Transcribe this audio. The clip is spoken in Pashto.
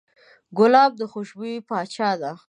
ګلاب د خوشبویو پاچا دی.